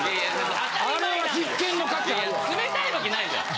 冷たいわけないじゃん！